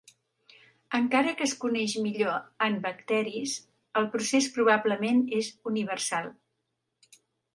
Encara que es coneix millor en bacteris, el procés probablement és universal.